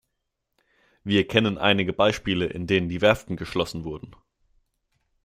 Wir kennen einige Beispiele, in denen die Werften geschlossen wurden.